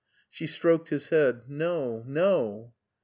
She stroked his head. " No, no.